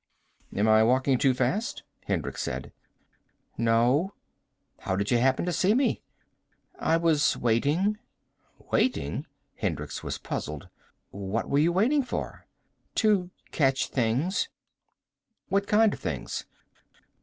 "Am I walking too fast?" Hendricks said. "No." "How did you happen to see me?" "I was waiting." "Waiting?" Hendricks was puzzled. "What were you waiting for?" "To catch things." "What kind of things?"